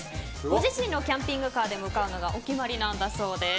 ご自身のキャンピングカーで向かうのがお決まりなんだそうです。